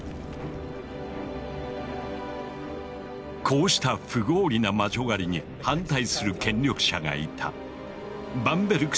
こうした不合理な魔女狩りに反対する権力者がいた。